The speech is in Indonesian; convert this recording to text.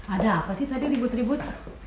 ada apa sih tadi ribut ribut